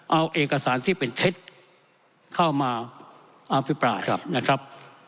เอาเอกสารที่เป็นเท็จเข้ามาอภิปรายนะครับ